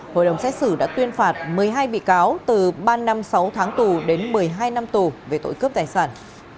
hội đồng xét xử đã tuyên phạt một mươi hai bị cáo từ ba năm sáu tháng tù đến một mươi hai năm tù về tội cướp tài sản